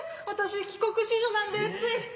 私帰国子女なんでつい。